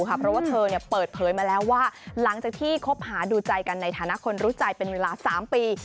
เพราะว่าเธอเปิดเผยมาแล้วว่าหลังจากที่คบหาดูใจกันในฐานะคนรู้ใจเป็นเวลา๓ปี